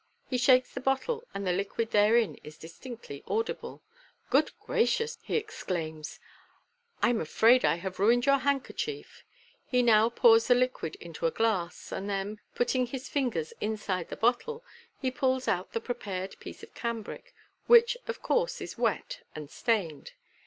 He shakes the bottle, and the liquid therein is distinctly audible, * Good gracious !" he exclaims, u I'm afraid I have ruined the ftand. MODERN MAGIC. 243 kerchief." He now pours the liquid into a glass, and then, putting his fingers inside the bottle, he pulls out the prepared piece of cambric, which, of course, is wet and stained.